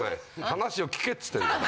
話を聞けっつってんの。